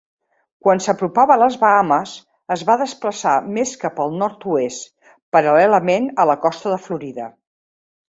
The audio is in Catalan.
Quan s'apropava a les Bahames, es va desplaçar més cap al nord-oest, paral·lelament a la costa de Florida.